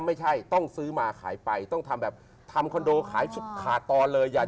ไม่ใช่ต้องซื้อมาขายไปต้องทำแบบทำคอนโดขายขาดตอนเลย